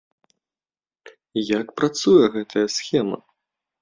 Як працуе гэтая схема?